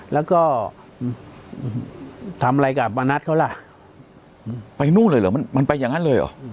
แล้วก็ทำอะไรกับมานัดเขาล่ะไปนู่นเลยเหรอมันไปอย่างนั้นเลยเหรอ